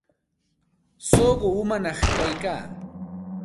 Suqu umañaq kayka.